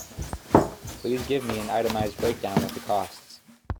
Please give me an itemized breakdown of the costs.